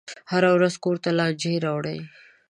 هره ورځ کور ته لانجې راوړي.